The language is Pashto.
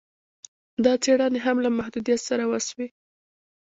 دا څېړني هم له محدویت سره وسوې